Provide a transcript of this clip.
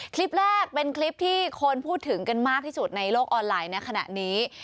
คลิปแรกเป็นคลิปที่คนพูดถึงกันมากที่สุดในโลกออนไลน์ในขณะนี้